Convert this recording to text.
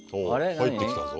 入ってきたぞ。